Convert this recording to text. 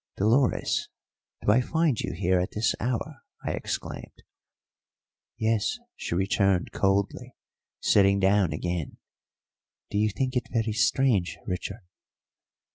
"Dolores, do I find you here at this hour?" I exclaimed. "Yes," she returned coldly, sitting down again. "Do you think it very strange, Richard?"